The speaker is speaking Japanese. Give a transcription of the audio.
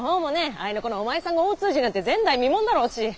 合いの子のお前さんが大通詞なんて前代未聞だろうし。